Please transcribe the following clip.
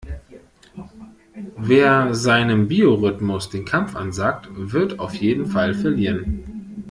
Wer seinem Biorhythmus den Kampf ansagt, wird auf jeden Fall verlieren.